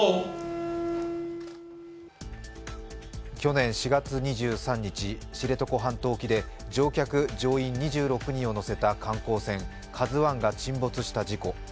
去年４月２３日、知床半島沖で乗客・乗員２６人を乗せた観光船「ＫＡＺＵⅠ」が沈没した事故。